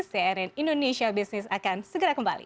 cnn indonesia business akan segera kembali